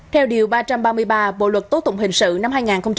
theo điều ba trăm ba mươi ba bộ luật tố tụng hình sự năm hai nghìn một mươi năm